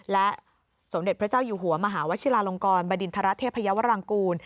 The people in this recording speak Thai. และสมเด็จพระเจ้าอยู่หัวมหาวชิลาลงกรบดินทรเทพยาวรังกูล